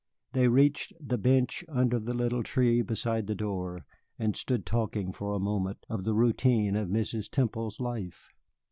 They reached the bench under the little tree beside the door, and stood talking for a moment of the routine of Mrs. Temple's life.